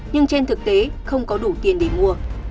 nhưng trên thực tế không có đủ tiền để mua